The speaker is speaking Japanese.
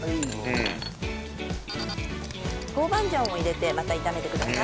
豆板醤を入れてまた炒めてください。